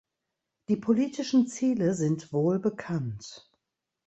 Die politischen Ziele sind wohlbekannt.